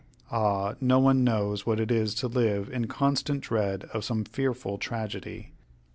Ah, no one knows what it is to live in constant dread of some fearful tragedy.